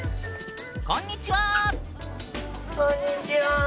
こんにちは。